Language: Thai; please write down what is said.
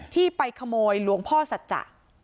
ที่ไปขโมยหลวงพ่อสัจจะ